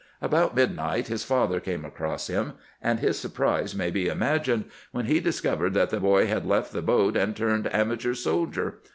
About midnight his father came across him, and his surprise may be imagined when he discovered that the boy had left the boat and turned amateur soldier.